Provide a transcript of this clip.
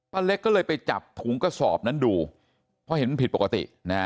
เล็กก็เลยไปจับถุงกระสอบนั้นดูเพราะเห็นมันผิดปกตินะฮะ